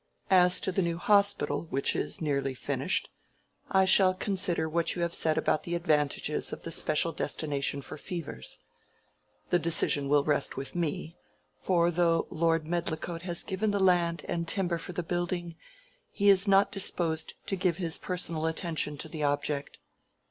As to the new hospital, which is nearly finished, I shall consider what you have said about the advantages of the special destination for fevers. The decision will rest with me, for though Lord Medlicote has given the land and timber for the building, he is not disposed to give his personal attention to the object."